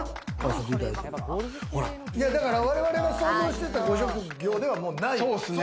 だから、われわれが想像してたご職業ではもうない。